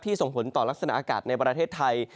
ส่งผลต่อลักษณะอากาศในประเทศไทย